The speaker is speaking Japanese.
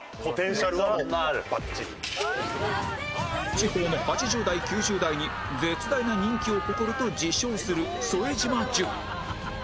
地方の８０代９０代に絶大な人気を誇ると自称する副島淳